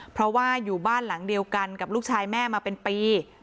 เพราะว่าอยู่บ้านหลังเดียวกันกับลูกชายแม่มาเป็นปี